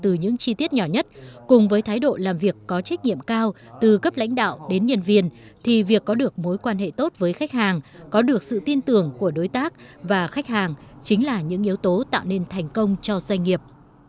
từ những chi tiết nhỏ nhất cùng với thái độ làm việc có trách nhiệm cao từ cấp lãnh đạo đến nhân viên thì việc có được mối quan hệ tốt với khách hàng có được sự tin tưởng của đối tác và khách hàng chính là những yếu tố tạo nên thành công cho doanh nghiệp